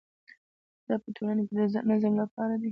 دا په ټولنه کې د نظم لپاره دی.